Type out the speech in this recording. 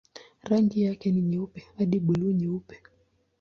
Rangi yake ni nyeupe hadi buluu-nyeupe.